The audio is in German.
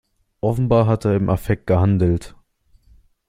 Offenbar hat er im Affekt gehandelt.